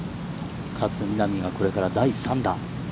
勝みなみが、これから第３打。